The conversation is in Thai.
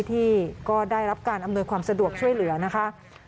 ที่ก็ได้รับการอำนวยความสะดวกช่วยเหลือนะคะ